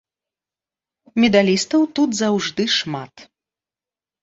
Медалістаў тут заўжды шмат.